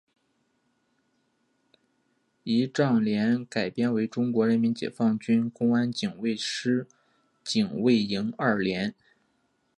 仪仗连改编为中国人民解放军公安警卫师警卫营二连。